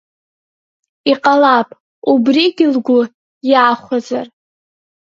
Иҟалап, убригьы лгәы иахәазар.